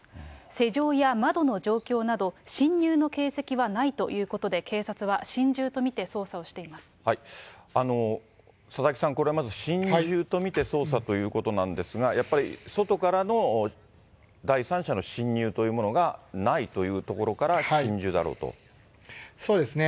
施錠や窓の状況など、侵入の形跡はないということで、警察は心中と見て捜査をしていま佐々木さん、これはまず心中と見て捜査ということなんですが、やっぱり外からの第三者の侵入というものがないというところから、そうですね。